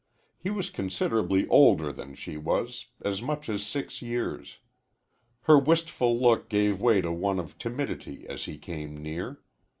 He was considerably older than she was, as much as six years. Her wistful look gave way to one of timidity as he came near.